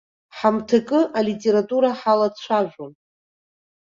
Ҳамҭакы алитература ҳалацәажәон.